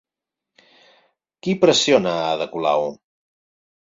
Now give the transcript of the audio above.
Qui pressiona a Ada Colau?